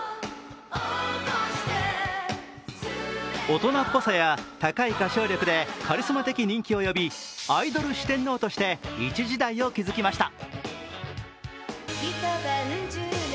大人っぽさや高い歌唱力でカリスマ的人気を呼びアイドル四天王として一時代を築きました。